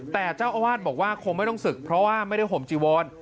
แต่เจ้าอาวาสบอกว่าคงไม่ต้องศึกเพราะว่าไม่ได้ห่มจีวร